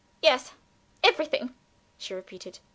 "Yes, everything!" she repeated.